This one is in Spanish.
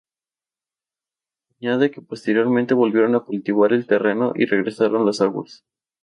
Añade que posteriormente volvieron a cultivar el terreno y regresaron las aguas.